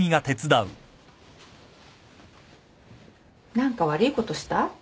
何か悪いことした？